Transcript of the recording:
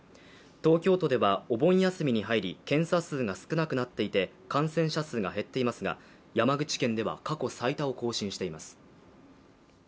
東京都ではお盆休みに入り検査数が少なくなっていて感染者数が減っていますが山口県では過去最多を更新しています。